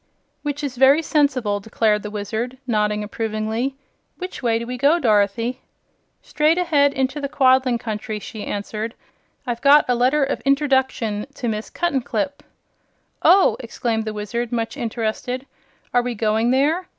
"Which is very sensible," declared the Wizard, nodding approvingly. "Which way do we go, Dorothy?" "Straight ahead into the Quadling Country," she answered. "I've got a letter of interduction to Miss Cuttenclip." "Oh!" exclaimed the Wizard, much interested. "Are we going there?